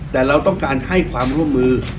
แต่เราต้องการให้ความร่วมมือ